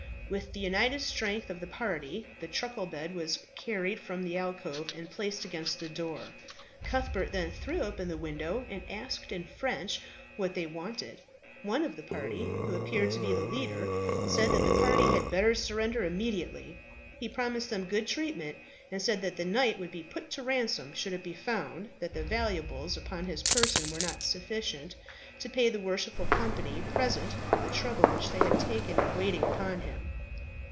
With the united strength of the party the truckle bed was carried from the alcove and placed against the door. Cuthbert then threw open the window, and asked in French what they wanted. One of the party, who appeared to be the leader, said that the party had better surrender immediately. He promised them good treatment, and said that the knight would be put to ransom, should it be found that the valuables upon his person were not sufficient to pay the worshipful company present for the trouble which they had taken in waiting upon him.